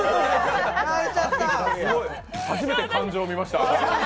すごい、初めて感情を見ました。